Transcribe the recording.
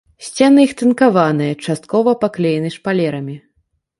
Сцены іх тынкаваныя, часткова паклеены шпалерамі.